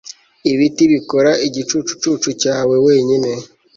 ibiti bikora igicucu cyawe wenyine